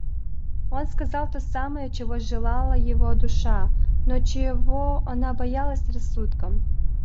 Он сказал то самое, чего желала ее душа, но чего она боялась рассудком.